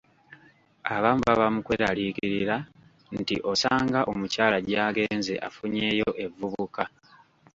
Abamu baba mu kweraliikirira nti osanga omukyala gy’agenze afunyeeyo evvubuka.